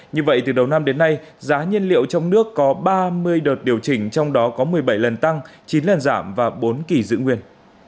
như vậy từ đầu năm đến nay giá nhiên liệu trong nước có ba mươi đợt điều chỉnh trong đó có một mươi bảy lần tăng chín lần giảm và bốn kỳ dự nguyên